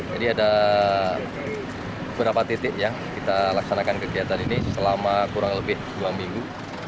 jadi ada beberapa titik yang kita laksanakan kegiatan ini selama kurang lebih dua minggu